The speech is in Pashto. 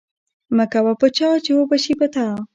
ـ مه کوه په چا ،چې وبشي په تا.